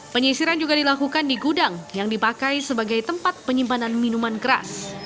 penyisiran juga dilakukan di gudang yang dipakai sebagai tempat penyimpanan minuman keras